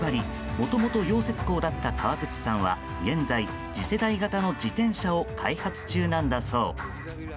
もともと溶接工だった川口さんは現在、次世代型の自転車を開発中なんだそう。